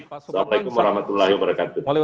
assalamu'alaikum warahmatullahi wabarakatuh